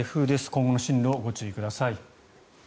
今後の進路にご注意ください。